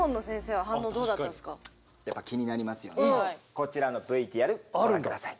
こちらのＶＴＲご覧下さい。